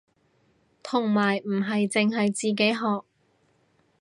同埋唔係淨係自己學